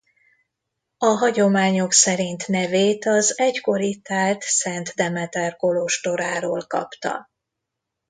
A hagyományok szerint nevét az egykor itt állt Szent Demeter kolostoráról kapta.